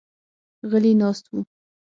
غلي ناست وو.